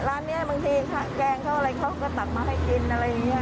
ร้านนี้บางทีแกงเขาอะไรเขาก็ตักมาให้กินอะไรอย่างนี้